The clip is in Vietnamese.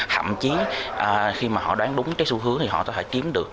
thậm chí khi mà họ đoán đúng cái xu hướng thì họ có thể kiếm được